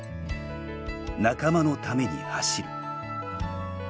仲間のために走る。